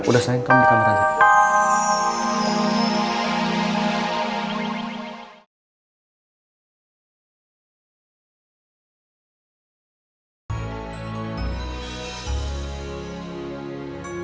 udah sayang kamu bukan rumah tangga